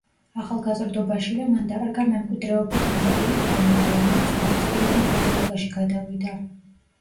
ახალგაზრდობაშივე მან დაკარგა მემკვიდრეობით მიღებული ქონება, რომელიც მეფის პირად მფლობელობაში გადავიდა.